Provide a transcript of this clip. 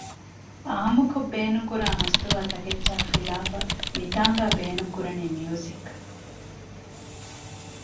ޢާއްމުކޮށް ބޭނުންކުރާ މަސްތުވާ ތަކެއްޗާ ޚިލާފަށް މިތާނގައި ބޭނުން ކުރަނީ މިޔުޒިއް